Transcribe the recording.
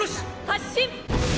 発進！